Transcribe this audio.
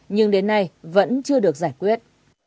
nhưng đến nay vẫn chưa được giải quyết